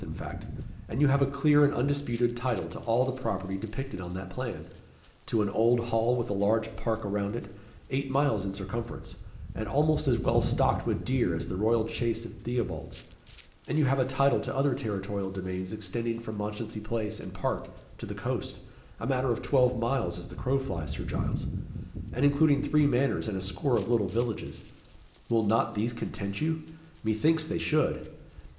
in fact and you have a clear and undisputed title to all the property depicted on that plan to an old hall with a large park around it, eight miles in circumference, and almost as well stocked with deer as the royal chase of Theobald's; and you have a title to other territorial domains extending from Mounchensey Place and Park to the coast, a matter of twelve miles as the crow flies, Sir Giles, and including three manors and a score of little villages. Will not these content you? Methinks they should.